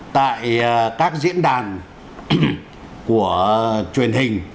tại các diễn đàn của truyền hình